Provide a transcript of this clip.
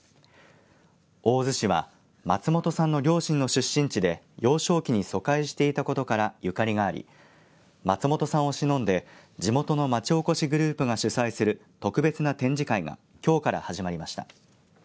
大洲市は松本さんの両親の出身地で幼少期に疎開していたことからゆかりがあり松本さんをしのんで地元のまちおこしグループが主催する特別な展示会がきょうから始まりました。